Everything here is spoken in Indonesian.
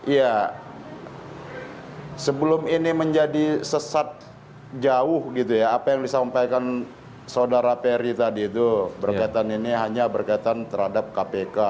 ya sebelum ini menjadi sesat jauh gitu ya apa yang disampaikan saudara perry tadi itu berkaitan ini hanya berkaitan terhadap kpk